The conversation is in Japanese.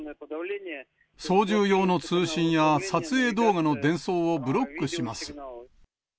操縦用の通信や撮影動画の伝送をブロックします。